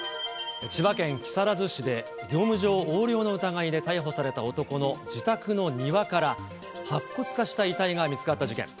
千葉県木更津市で、業務上横領の疑いで逮捕された男の自宅の庭から、白骨化した遺体が見つかった事件。